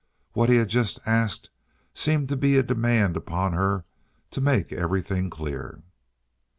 What he had just asked seemed to be a demand upon her to make everything clear.